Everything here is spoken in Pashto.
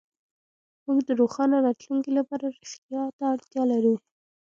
موږ د روښانه راتلونکي لپاره رښتيا ته اړتيا لرو.